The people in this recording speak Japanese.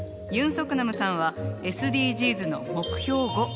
ユン・ソクナムさんはＳＤＧｓの目標